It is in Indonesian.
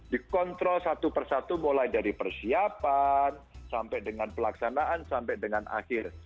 dikontrol satu persatu mulai dari persiapan sampai dengan pelaksanaan sampai dengan akhir